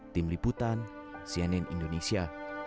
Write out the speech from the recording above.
tim liputan cnn indonesia